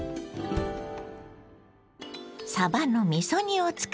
さばのみそ煮を使います。